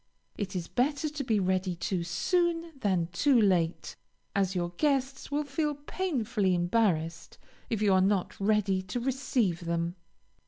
It is better to be ready too soon, than too late, as your guests will feel painfully embarrassed if you are not ready to receive them.